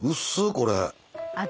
これ。